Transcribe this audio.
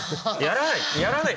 やらない。